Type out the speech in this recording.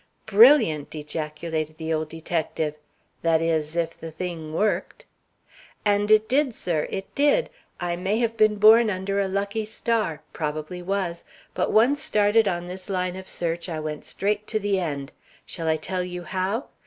"Brilliant!" ejaculated the old detective. "That is, if the thing worked." "And it did, sir; it did. I may have been born under a lucky star, probably was, but once started on this line of search, I went straight to the end. Shall I tell you how?